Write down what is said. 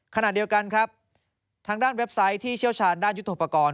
ขณะเดียวกันครับทางด้านเว็บไซต์ที่เชี่ยวชาญด้านยุทธโปรกรณ์